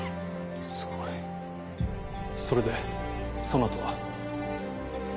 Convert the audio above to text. すごいそれでその後は？